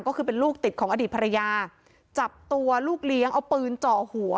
ก็คือเป็นลูกติดของอดีตภรรยาจับตัวลูกเลี้ยงเอาปืนเจาะหัว